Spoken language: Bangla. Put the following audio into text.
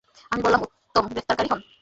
আমি বললাম, উত্তম গ্রেফতারকারী হন।